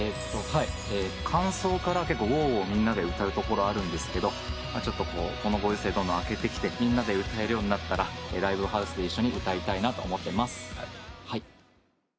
間奏からウォウウォウみんなで歌うところあるんですがこのご時世明けてきてみんなで歌えるようになったらライブハウスで一緒に歌いたいなと思ってます。